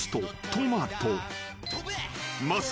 トマト。